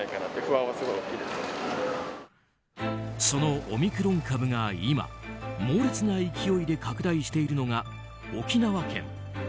そのオミクロン株が今猛烈な勢いで拡大しているのが沖縄県。